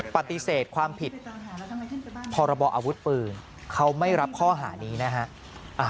ปฏิเสธความผิดพรบออาวุธปืนเขาไม่รับข้อหานี้นะฮะ